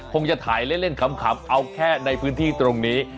คงจะถ่ายเล่นเรื่องกลับ